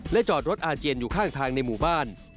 จอดรถอาเจียนอยู่ข้างทางในหมู่บ้าน